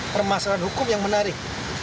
permasalahan hukum yang menarik